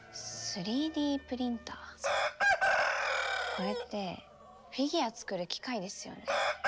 これってフィギュア作る機械ですよね。